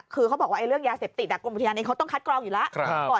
คือเขาบอกว่าเรื่องยาเสพติดกรมอุทยานเองเขาต้องคัดกรองอยู่แล้ว